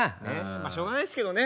まあしょうがないですけどね。